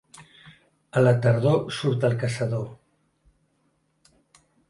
A la tardor surt el caçador.